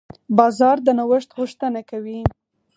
بازار د نوښت غوښتنه کوي.